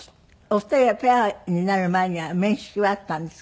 お二人がペアになる前には面識はあったんですか？